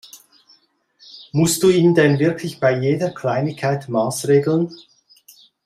Musst du ihn denn wirklich bei jeder Kleinigkeit maßregeln?